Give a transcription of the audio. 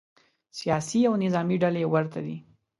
سیاسي او نظامې ډلې ورته وي.